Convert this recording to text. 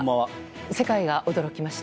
世界が驚きました。